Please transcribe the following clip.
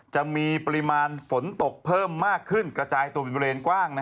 จะมีปริมาณฝนตกเพิ่มมากขึ้นกระจายตัวเป็นบริเวณกว้าง